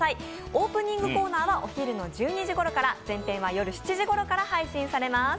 オープニングコーナーはお昼の１２時ごろから、全編は夜７時ごろから配信されます。